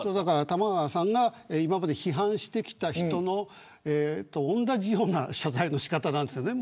玉川さんが今まで批判してきた人の同じような謝罪の仕方なんですよね。